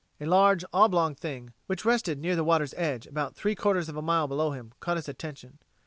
A large oblong thing, which rested near the water's edge about three quarters of a mile below him, caught his attention.